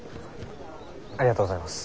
ありがとうございます。